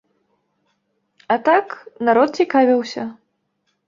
А так, народ цікавіўся.